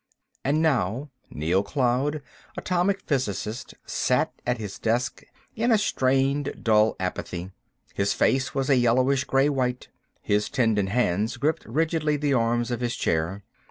And now Neal Cloud, atomic physicist, sat at his desk in a strained, dull apathy. His face was a yellowish gray white, his tendoned hands gripped rigidly the arms of his chair.